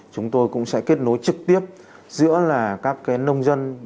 chúng tôi cũng sẽ kết nối trực tiếp giữa là các nông dân